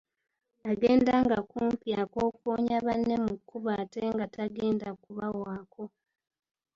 Agenda nga kumpi akokoonya banne mu kkubo ate nga tagenda kubawaako.